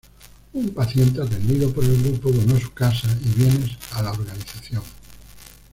Un paciente atendido por el grupo donó su casa y bienes a la organización.